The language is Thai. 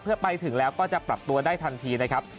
เพื่อไปถึงแล้วก็จะปรับตัวได้ทันทีนะครับ